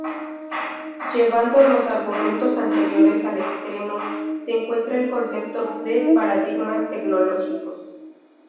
Llevando los argumentos anteriores al extremo, se encuentra el concepto de paradigmas tecnológicos.